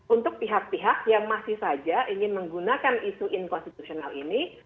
untuk pihak pihak yang masih saja ingin menggunakan isu inkonstitusional ini